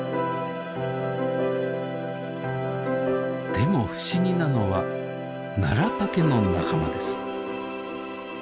でも不思議なのはナラタケの仲間です。